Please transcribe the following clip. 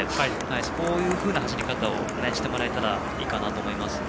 そういう走り方をしてもらえたらいいかなと思います。